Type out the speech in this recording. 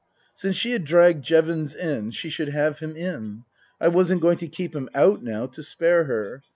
Since she had dragged Jevons in she should have him in. I wasn't going to keep him out now to spare her.